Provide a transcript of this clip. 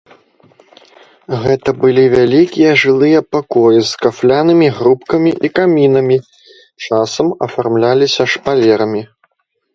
Гэта былі вялікія жылыя пакоі з кафлянымі грубкамі і камінамі, часам афармляліся шпалерамі.